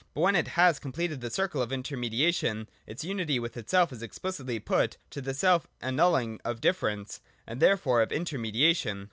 But when it has completed the circle of inteiTnediation, its unity with itself is explicitly put as the self annulling of difference, and therefore of intermediation.